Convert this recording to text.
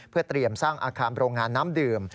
เพื่อเตรียมสร้างอาคารโรงงานน้ำดื่ม